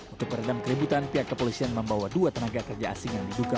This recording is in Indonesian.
untuk meredam keributan pihak kepolisian membawa dua tenaga kerja asing yang diduga